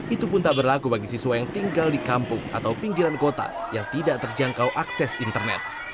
itu pun tak berlaku bagi siswa yang tinggal di kampung atau pinggiran kota yang tidak terjangkau akses internet